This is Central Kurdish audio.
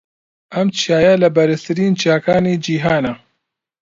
ئەم چیایە لە بەرزترین چیاکانی جیھانە.